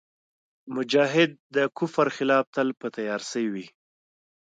مجاهد د کفر خلاف تل په تیارسئ وي.